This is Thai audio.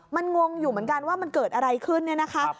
มันงงอยู่เหมือนกันว่ามันเกิดอะไรขึ้นเนี่ยนะคะ